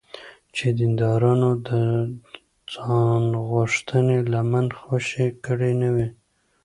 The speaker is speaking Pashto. چې دیندارانو د ځانغوښتنې لمن خوشې کړې نه وي.